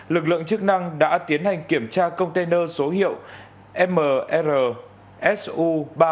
lực lượng chức năng đã tiến hành kiểm tra container số hiệu mrsu ba nghìn chín mươi bốn tám trăm bốn mươi ba